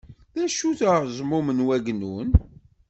D acu-t uɛeẓmum n wagnun?